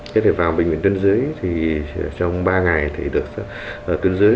thế thì vào bệnh viện tuyến dưới thì trong ba ngày thì được tuyên dưới